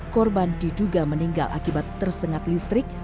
korban diduga meninggal akibat tersengat listrik